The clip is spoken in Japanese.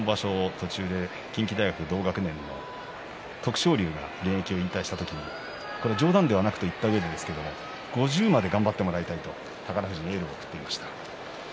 途中で近畿大学、同学年徳勝龍が現役を引退した時冗談ではなく、と、言ったんですが５０まで頑張ってもらいたいと宝富士にエールを送っていました。